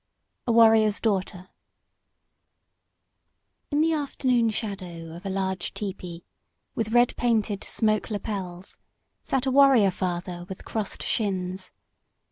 A WARRIOR'S DAUGHTER In the afternoon shadow of a large tepee, with red painted smoke lapels, sat a warrior father with crossed shins.